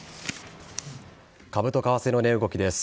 株と為替の値動きです。